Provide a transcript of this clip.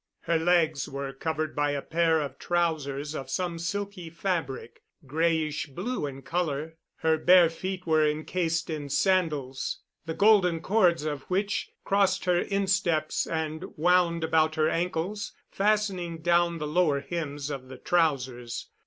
Her legs were covered by a pair of trousers of some silky fabric, grayish blue in color. Her bare feet were incased in sandals, the golden cords of which crossed her insteps and wound about her ankles, fastening down the lower hems of the trousers.